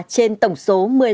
trên tổng số